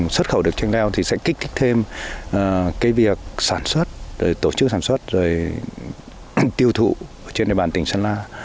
xuất khẩu được chanh leo sẽ kích thích thêm việc sản xuất tổ chức sản xuất tiêu thụ trên đề bàn tỉnh xuân la